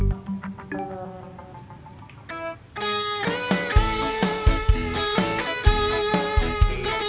ki beres dikit